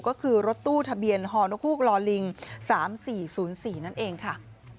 ก็คือรถตู้ทะเบียนฮอนกฮูกลอลิง๓๔๐๔นั่นเองค่ะ